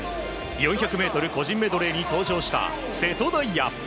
４００ｍ個人メドレーに登場した瀬戸大也。